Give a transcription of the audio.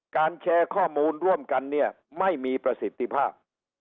แชร์ข้อมูลร่วมกันเนี่ยไม่มีประสิทธิภาพ